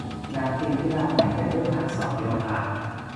นางพิมพิลาไลยเป็นลูกพันศรโยธา